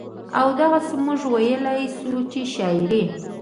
او دغسې مونږ وئيلے شو چې شاعري